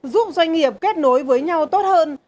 giúp doanh nghiệp kết nối với nhau tốt hơn